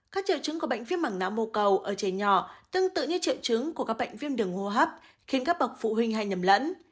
các triệu chứng của bệnh viêm mảng não mô cầu ở trẻ nhỏ tương tự như triệu chứng của các bệnh viêm đường hô hấp khiến các bậc phụ huynh hay nhầm lẫn